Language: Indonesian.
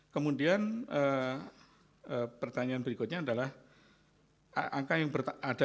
kemudian pertanyaan berikutnya adalah angka yang ada nambah ada katanya nambah dua